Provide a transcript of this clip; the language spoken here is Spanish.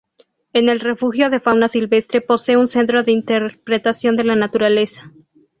El refugio de Fauna Silvestre posee un Centro de Interpretación de la Naturaleza.